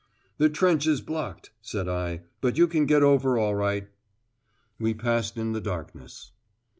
"The trench is blocked," said I, "but you can get over all right." We passed in the darkness.